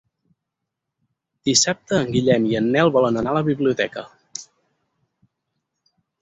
Dissabte en Guillem i en Nel volen anar a la biblioteca.